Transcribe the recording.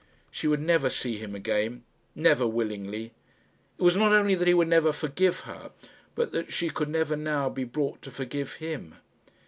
She would never see him again never willingly. It was not only that he would never forgive her, but that she could never now be brought to forgive him.